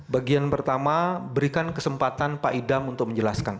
bagian pertama berikan kesempatan pak idam untuk menjelaskan